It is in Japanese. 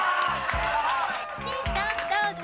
新さんどうぞ。